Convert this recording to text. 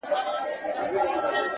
ما له یوې هم یوه ښه خاطره و نه لیده،